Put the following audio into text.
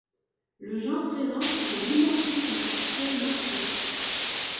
Le genre présente un dimorphisme sexuel marqué.